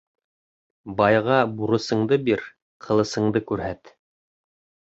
Байға бурысыңды бир, ҡылысыңды күрһәт.